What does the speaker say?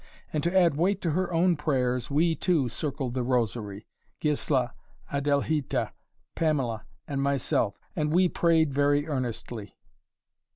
And to add weight to her own prayers, we, too, circled the Rosary; Gisla, Adelhita, Pamela and myself. And we prayed very earnestly."